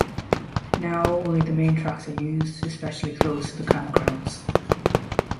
Now only the main tracks are used, especially close to the campgrounds.